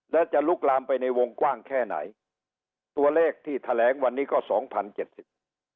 และจะลุกลามไปในวงกว้างแค่ไหนตัวเลขที่แถลงวันนี้ก็สองพันเจ็ดสิบ